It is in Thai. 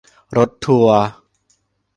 รถทัวร์